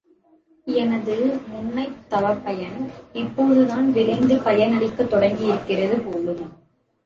எனது முன்னைத் தவப்பயன் இப்போதுதான் விளைந்து பயனளிக்கத் தொடங்கியிருக்கிறது போலும்!